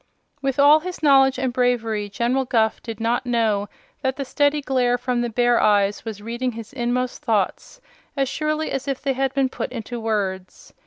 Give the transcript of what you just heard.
With all his knowledge and bravery General Guph did not know that the steady glare from the bear eyes was reading his inmost thoughts as surely as if they had been put into words.